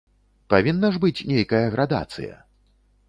Павінна ж быць нейкая градацыя.